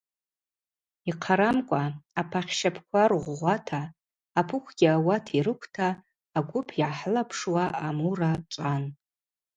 Йхъарамкӏва апахьщапӏква ргъвгъвата, апыквгьи ауат йрыквта агвып йгӏахӏылапшуа а-Мура чӏван.